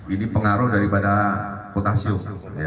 ini pengaruh daripada potasium